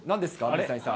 水谷さん。